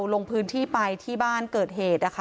ลงพื้นที่ไปที่บ้านเกิดเหตุนะคะ